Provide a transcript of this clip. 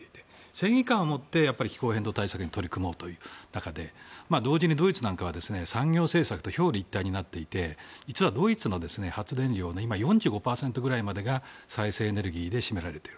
正義感を持って気候変動対策に取り組もうということで同時にドイツなんかは産業政策と表裏一体となっていてドイツの発電量の４５％ぐらいまでが再生エネルギーで占められている。